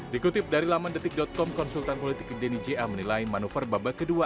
dikutip dari laman detik com konsultan politik denny ja menilai manuver babak kedua